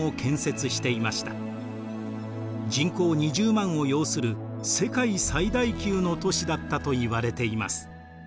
人口２０万を擁する世界最大級の都市だったといわれています。